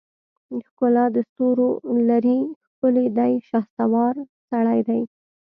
ښکلا دستورولري ښکلی دی شهوار سړی دی